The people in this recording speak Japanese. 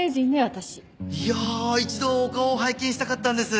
いや一度お顔を拝見したかったんです。